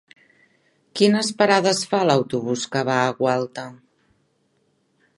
Quines parades fa l'autobús que va a Gualta?